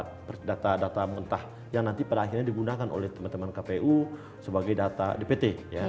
ada data data mentah yang nanti pada akhirnya digunakan oleh teman teman kpu sebagai data dpt